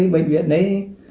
bệnh viện ở dưới